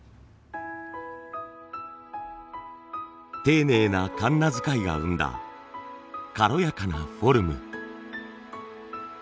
丁寧なカンナ使いが生んだ軽やかなフォルム。